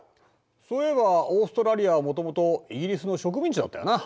そういえばオーストラリアはもともとイギリスの植民地だったよな。